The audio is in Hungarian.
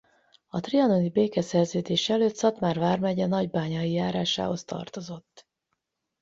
A trianoni békeszerződés előtt Szatmár vármegye Nagybányai járásához tartozott.